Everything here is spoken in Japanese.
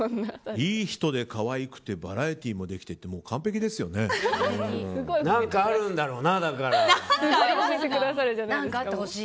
いい人で、可愛くてバラエティーもできてって何かあるんだろうな、だから。